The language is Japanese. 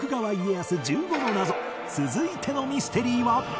続いてのミステリーは